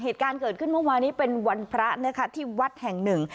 เหตุการณ์เกิดขึ้นเมื่อวานนี้เป็นวันพระนะคะที่วัดแห่งหนึ่ง